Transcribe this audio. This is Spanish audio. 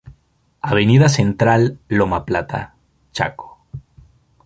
Avenida Central Loma Plata, Chaco.